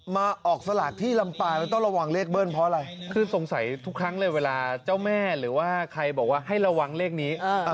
มาออกสลากที่ลำปางมันต้องระวังเลขเบิ้ลเพราะอะไรขึ้นสงสัยทุกครั้งเลยเวลาเจ้าแม่หรือว่าใครบอกว่าให้ระวังเลขนี้